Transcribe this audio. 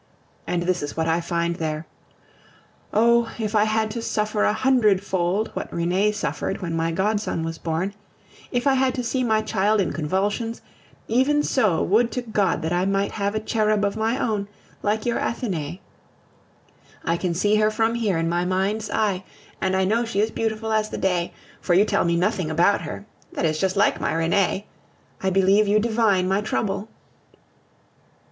And this is what I find there. "Oh! if I had to suffer a hundred fold what Renee suffered when my godson was born; if I had to see my child in convulsions, even so would to God that I might have a cherub of my own, like your Athenais!" I can see her from here in my mind's eye, and I know she is beautiful as the day, for you tell me nothing about her that is just like my Renee! I believe you divine my trouble.